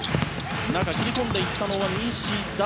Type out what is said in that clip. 中、切り込んでいったのは西田。